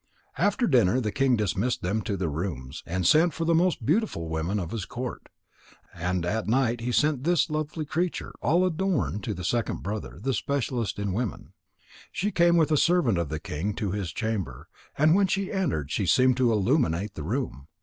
After dinner the king dismissed them to their rooms, and sent for the most beautiful woman of his court. And at night he sent this lovely creature, all adorned, to the second brother, the specialist in women. She came with a servant of the king to his chamber, and when she entered, she seemed to illuminate the room.